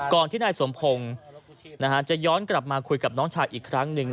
ที่นายสมพงศ์จะย้อนกลับมาคุยกับน้องชายอีกครั้งหนึ่ง